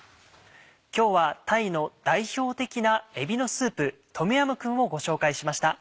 今日はタイの代表的なえびのスープ「トムヤムクン」をご紹介しました。